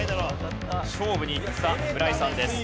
勝負にいった村井さんです。